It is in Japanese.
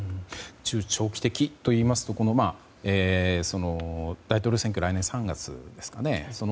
中長期的といいますと大統領選挙が来年３月ですかね。